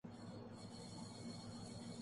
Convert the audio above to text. اونچی دکان پھیکا پکوان